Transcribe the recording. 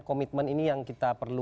komitmen ini yang kita perlu